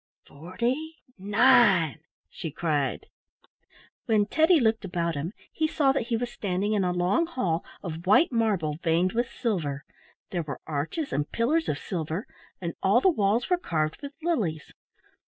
"FORTY NINE!" she cried. When Teddy looked about him he saw that he was standing in a long hall of white marble veined with silver. There were arches and pillars of silver and all the walls were carved with lilies.